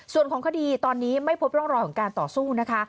ส่วนของคดีตอนนี้ไม่พบร่องรอยของการต่อสู้นะคะ